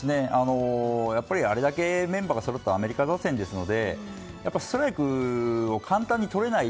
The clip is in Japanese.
やっぱり、あれだけメンバーがそろったアメリカ打線ですのでストライクを簡単にとれない。